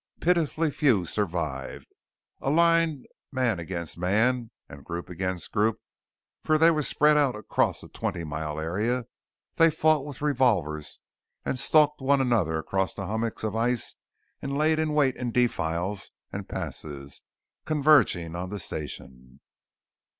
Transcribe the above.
Pitifully few survived. Aligned man against man and group against group for they were spread out across a twenty mile area they fought with revolvers and stalked one another across the hummocks of ice and laid in wait in defiles and passes, converging on the station.